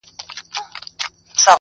ستا د څوڼو ځنگلونه زمـا بــدن خـوري